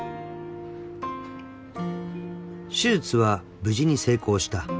［手術は無事に成功した］